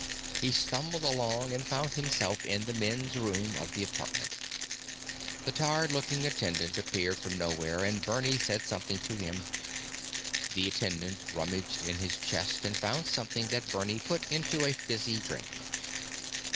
He stumbled along and found himself in the men's room of the apartment. The tired looking attendant appeared from nowhere and Bernie said something to him. The attendant rummaged in his chest and found something that Bernie put into a fizzy drink.